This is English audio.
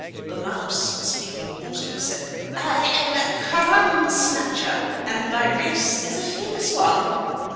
The mouse, speaking haughtily, said: "I am Crumb Snatcher, and my race is a famous one.